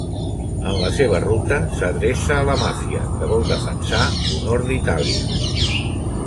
En la seva ruta, s'adreça a la Màfia que vol defensar l'honor d'Itàlia.